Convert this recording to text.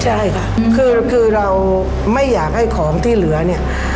ใช่ค่ะคือเราไม่อยากให้ของที่เหลือเนี่ย